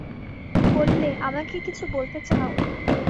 বললে, আমাকে কিছু বলতে চাও?